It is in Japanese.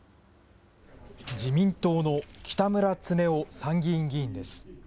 自民党の北村経夫参議院議員です。